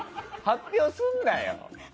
発表すんなよ！